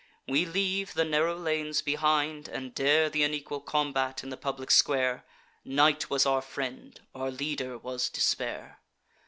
We leave the narrow lanes behind, and dare Th' unequal combat in the public square: Night was our friend; our leader was despair.